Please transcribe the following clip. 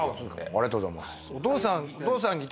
ありがとうございます。